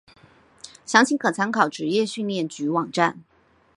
详情可参考职业训练局网站。